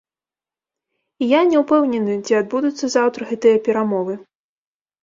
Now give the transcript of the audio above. І я не ўпэўнены, ці адбудуцца заўтра гэтыя перамовы.